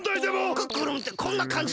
クックルンってこんなかんじだったっけ？